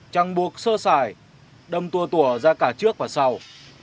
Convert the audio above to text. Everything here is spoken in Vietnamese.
chẳng buộc sơ xài đâm tua tùa ra cả trước và sau